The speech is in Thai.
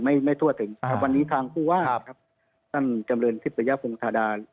ไม่ทั่วถึงแต่วันนี้ทางภูวาครับครับอ่านกำเรือนธิพยศประยะภูมิธรรดา